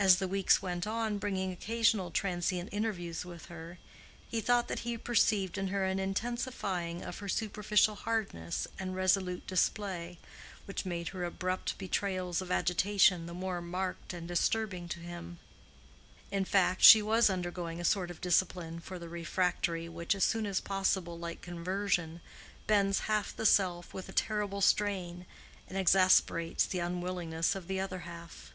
As the weeks went on bringing occasional transient interviews with her, he thought that he perceived in her an intensifying of her superficial hardness and resolute display, which made her abrupt betrayals of agitation the more marked and disturbing to him. In fact, she was undergoing a sort of discipline for the refractory which, as little as possible like conversion, bends half the self with a terrible strain, and exasperates the unwillingness of the other half.